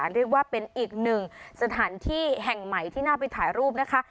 เรียกว่าเป็นอีกหนึ่งสถานที่แห่งใหม่ที่น่าไปถ่ายรูปนะคะ